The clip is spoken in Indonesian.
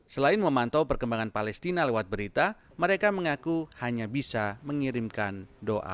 selain memantau perkembangan palestina lewat berita mereka mengaku hanya bisa mengirimkan doa